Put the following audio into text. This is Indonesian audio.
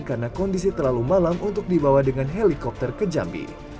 karena kondisi terlalu malam untuk dibawa dengan helikopter ke jambi